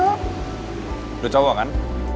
udah cowok kan